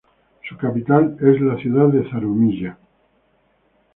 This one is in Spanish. Su capital es la ciudad de Zarumilla.